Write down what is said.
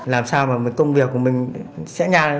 làm sao mà công việc của mình sẽ nhàn